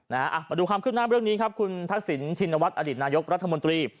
มาดูความขึ้นหน้าเรื่องนี้ครับคุณทักษิณชินวัฒนอดีตนายกรัฐมนตรี